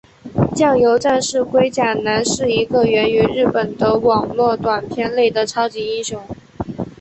酱油战士龟甲男是一个源于日本的网络短片内的超级英雄。